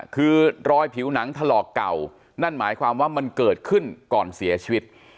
คือรอยผิวหนังถลอกเก่านั่นหมายความว่ามันเกิดขึ้นก่อนเสียชีวิต